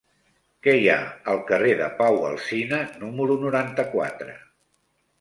Què hi ha al carrer de Pau Alsina número noranta-quatre?